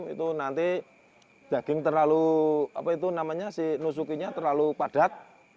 itu nanti daging terlalu apa itu namanya si nusukinya terlalu padat